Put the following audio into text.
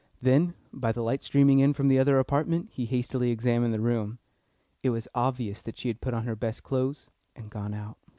Then by the light streaming in from the other apartment he hastily examined the room. It was obvious that she had put on her best clothes, and gone out.